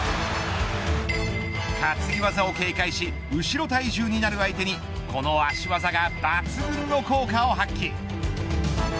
担ぎ技を警戒し後ろ体重になる相手にこの足技が抜群の効果を発揮。